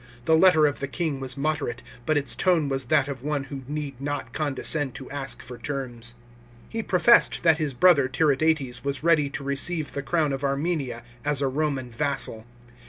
The letter of the king was moderate, but its tone was that of one who need not condescend to ask for terms. He pro fessed that his brother Tiridates was ready to receive the crown of Armenia as a Roman vassal.